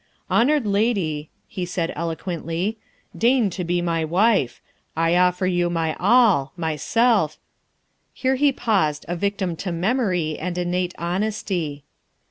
' Honored lady," he said eloquently, " deign to be my wife. I offer you my all myself ' Here he paused, a victim to memory and innate hon esty.